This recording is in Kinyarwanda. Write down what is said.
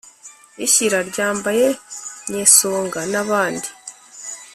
ishyira ryambaye nyesonga nabandi